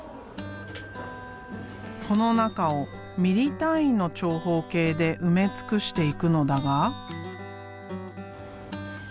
この中をミリ単位の長方形で埋め尽くしていくのだが。